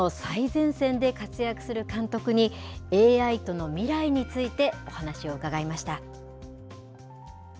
ハリウッドの最前線で活躍する監督に、ＡＩとの未来についてお話を伺いました。